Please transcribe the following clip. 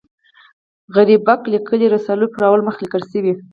غریبک لیکلي رسالو پر اول مخ لیکل شوي.